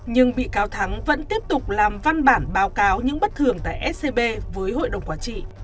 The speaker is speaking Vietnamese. nhưng bị cáo thắng vẫn tiếp tục làm văn bản báo cáo những bất thường tại scb với hội đồng quản trị